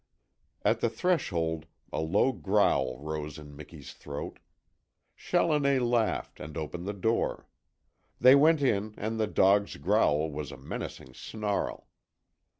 At the threshold a low growl rose in Miki's throat. Challoner laughed, and opened the door. They went in, and the dog's growl was a menacing snarl.